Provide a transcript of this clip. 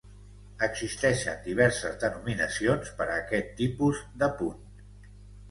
Existeixen diverses denominacions per a aquest tipus d'apunt.